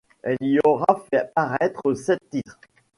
Elle y aura fait paraître sept titres.